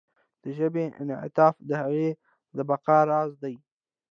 د ژبې انعطاف د هغې د بقا راز دی.